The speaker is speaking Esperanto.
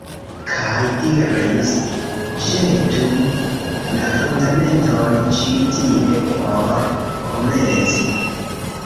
Kaj diris «Ĵetu la Fundamenton ĉi tie por komenci».